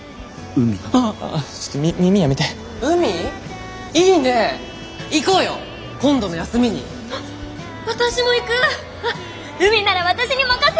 海なら私に任せて！